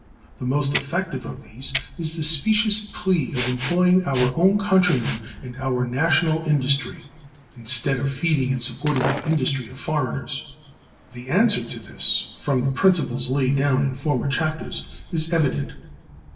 The most effective of these is the specious plea of employing our own countrymen and our national industry, instead of feeding and supporting the industry of foreigners. The answer to this, from the principles laid down in former chapters, is evident.